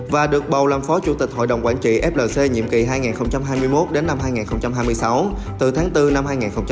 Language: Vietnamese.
và được bầu làm phó chủ tịch hội đồng quản trị flc nhiệm kỳ hai nghìn hai mươi một đến năm hai nghìn hai mươi sáu từ tháng bốn năm hai nghìn hai mươi